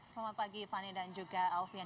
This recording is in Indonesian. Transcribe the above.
selamat pagi fani dan juga alfian